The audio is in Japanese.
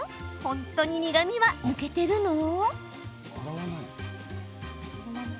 本当に苦みは抜けてるの？